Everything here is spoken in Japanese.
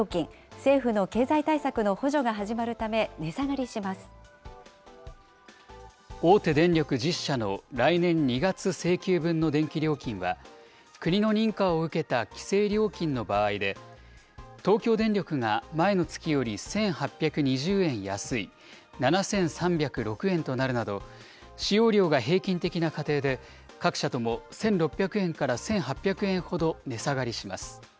政府の経済対策の補助が始まるた大手電力１０社の来年２月請求分の電気料金は、国の認可を受けた規制料金の場合で、東京電力が前の月より１８２０円安い、７３０６円となるなど、使用量が平均的な家庭で、各社とも１６００円から１８００円ほど値下がりします。